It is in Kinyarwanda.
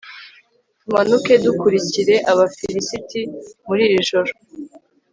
tumanuke dukurikire abafilisiti muri iri joro